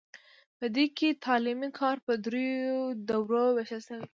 په دې کې تعلیمي کار په دریو دورو ویشل شوی.